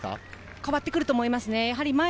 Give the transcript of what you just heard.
変わってくると思います。